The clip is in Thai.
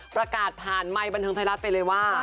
ประกาศผ่านไมค์บันเทิงไทยรัฐไปเลยว่า